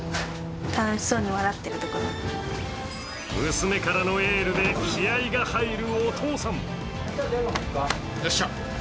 娘からのエールで気合いが入るお父さん。